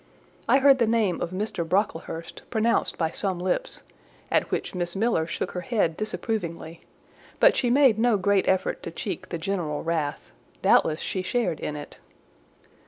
I heard the name of Mr. Brocklehurst pronounced by some lips; at which Miss Miller shook her head disapprovingly; but she made no great effort to check the general wrath; doubtless she shared in it.